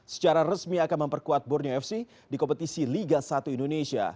secara resmi akan memperkuat borneo fc di kompetisi liga satu indonesia